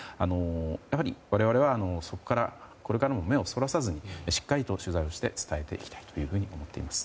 やはり我々はこれからも目をそらさずにしっかりと取材をして伝えていきたいと思っています。